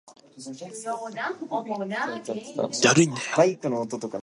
An impromptu sing-along to Guns N' Roses' "Paradise City" causes him to become popular.